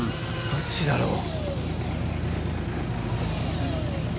どっちだろう？